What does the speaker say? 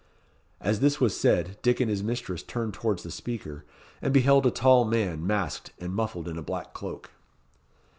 As this was said, Dick and his mistress turned towards the speaker, and beheld a tall man, masked, and muffled in a black cloak.